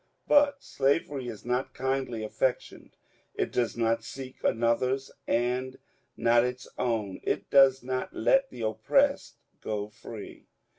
But slavery is not kindly affectioned ; it does not seek another's and not its own ; it does not let the oppressed go free.